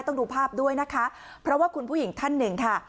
ต้องดูภาพด้วยนะคะเพราะว่าคุณผู้หญิงท่านหนึ่งค่ะ